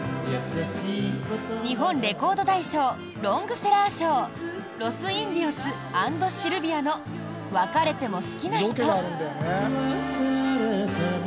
日本レコード大賞ロングセラー賞ロス・インディオス＆シルヴィアの「別れても好きな人」。